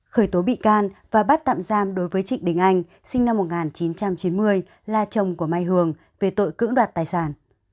khởi tố bị can và bắt tạm giam đối với trịnh đình anh sinh năm một nghìn chín trăm chín mươi là chồng của mai hường về tội cưỡng đoạt tài sản